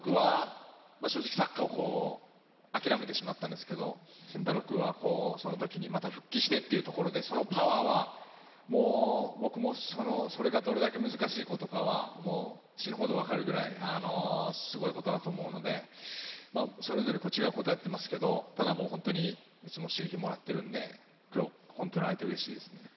僕は正直、サッカーを諦めてしまったんですけれど、晋太朗くんは、また復帰してというところで、そのパワーはそれだけ難しいことと死ぬほど分かるくらい、すごいことだと思うので、それぞれ違うことをやっていますけれど、いつも刺激をもらっているので、きょうは本当に会えてうれしいです。